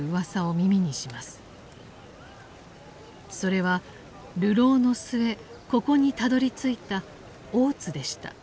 それは流浪の末ここにたどりついた大津でした。